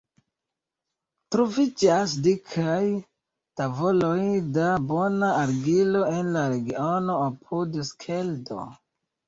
Troviĝas dikaj tavoloj da bona argilo en la regiono apud Skeldo.